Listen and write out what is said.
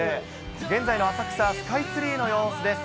現在の浅草・スカイツリーの様子です。